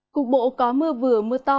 cục bộ có mưa vừa mưa to